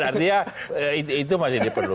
artinya itu masih diperlukan